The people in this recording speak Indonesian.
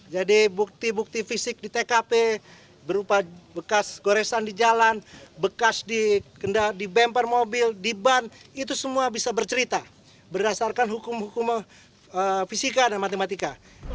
jadi bukti bukti fisik di tkp berupa bekas goresan di jalan bekas di bumper mobil di ban itu semua bisa bercerita berdasarkan hukum hukum fisika dan matematika